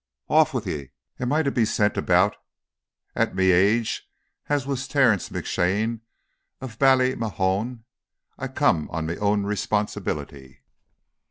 "Off wid ye! Am I to be sint about, at me age, as was Terence McShane, of Ballymahone? I come on me own r r responsibility."